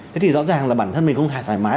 thế thì rõ ràng là bản thân mình không hài thoải mái